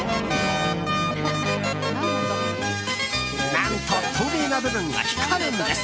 何と透明な部分が光るんです。